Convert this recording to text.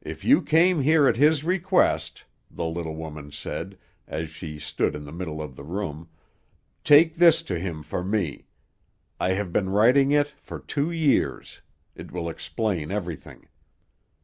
"'If you came here at his request,' the little woman said, as she stood in the middle of the room, 'take this to him for me. I have been writing it for two years; it will explain everything.'